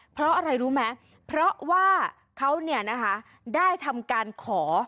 เพราะอะไรรู้ไหมเพราะว่าเขาได้ทำการขอ